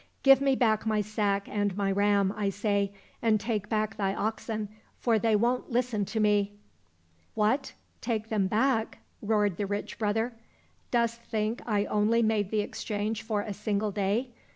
Give me back my sack and my ram, I say, and take back thy oxen, for they won't listen to me !"—" What ! take them back !" roared the rich brother. " Dost think I only made the exchange for a single day